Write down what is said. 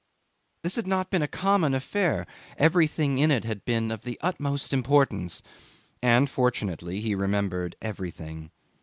This had not been a common affair, everything in it had been of the utmost importance, and fortunately he remembered everything.